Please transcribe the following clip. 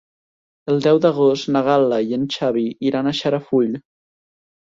El deu d'agost na Gal·la i en Xavi iran a Xarafull.